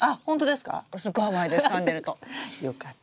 すごい甘いですかんでると。よかった。